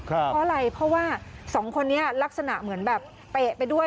เพราะอะไรเพราะว่าสองคนนี้ลักษณะเหมือนแบบเตะไปด้วย